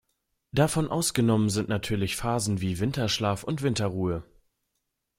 Davon ausgenommen sind natürlich Phasen wie Winterschlaf und Winterruhe.